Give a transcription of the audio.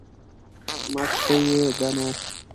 مستي یې ده نو.